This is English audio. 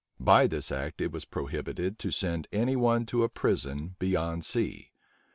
By this act, it was prohibited to send any one to a prison beyond sea.